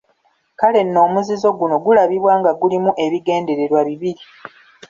Kale nno omuzizo guno gulabibwa nga gulimu ebigendererwa bibiri.